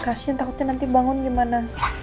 kasian takutnya nanti bangun gimana